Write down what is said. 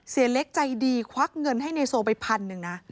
เล็กใจดีควักเงินให้ในโซไปพันหนึ่งนะ